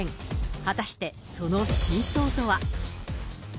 果たしてその真相とは。